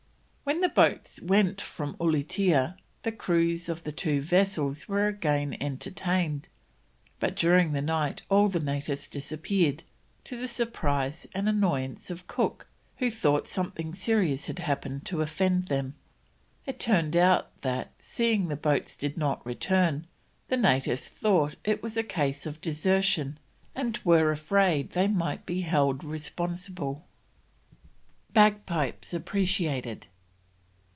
When the boats went from Ulietea the crews of the two vessels were again entertained, but during the night all the natives disappeared, to the surprise and annoyance of Cook, who thought something serious had happened to offend them. It turned out that, seeing the boats did not return, the natives thought it was a case of desertion, and were afraid they might be held responsible. BAGPIPES APPRECIATED.